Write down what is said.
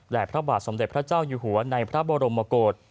และพระบาทสมเด็จพระเจ้าอยู่หัวในพระบรมกฏ